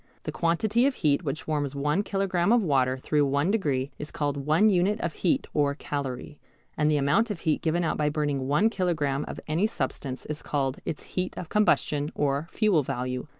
The quantity of heat which warms one kilogram of water through one degree is called one unit of heat or calorie, and the amount of heat given out by burning one kilogram of any substance is called its heat of combustion or fuel value.